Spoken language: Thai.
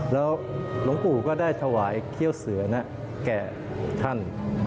แล้วหลวงปู่ก็ได้ถวายเขี้ยวเสือแก่ท่าน